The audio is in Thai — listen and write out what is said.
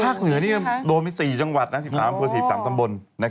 ภาคเหนือโดนไป๔จังหวัด๑๓บนทั้งบน